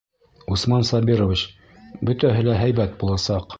Усман Сабирович, бөтәһе лә һәйбәт буласаҡ.